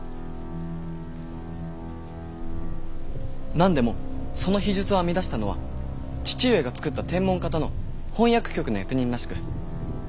何でもその秘術を編み出したのは父上が作った天文方の翻訳局の役人らしく。